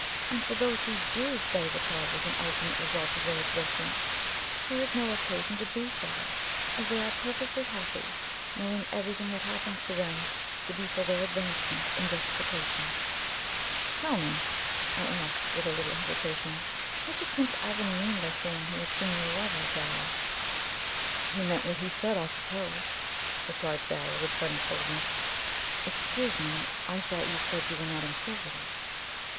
And for those who DO study the causes and ultimate results of their existence, there is no occasion to be sorry, as they are perfectly happy, knowing everything that happens to them to be for their advancement and justification." "Tell me," I asked with a little hesitation, "what did Prince Ivan mean by saying he had seen your lover, Zara?" "He meant what he said, I suppose," replied Zara, with sudden coldness. "Excuse me, I thought you said you were not inquisitive."